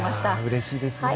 うれしいですね。